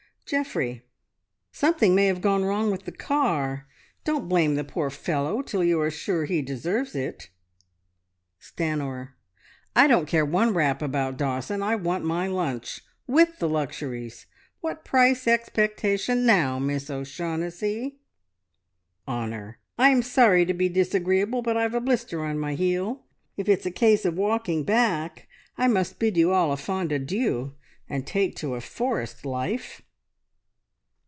"Geoffrey. `Something may have gone wrong with the car. Don't blame the poor fellow till you are sure he deserves it.' "Stanor. `I don't care one rap about Dawson. I want my lunch! With the luxuries! What price expectation now, Miss O'Shaughnessy?' "Honor. `I'm sorry to be disagreeable, but I've a blister on my heel. If it's a case of walking back, I must bid you all a fond adieu and take to a forest life.'